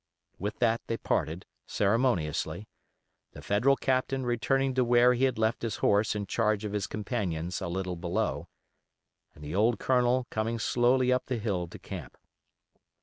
With that they parted, ceremoniously, the Federal captain returning to where he had left his horse in charge of his companions a little below, and the old Colonel coming slowly up the hill to camp.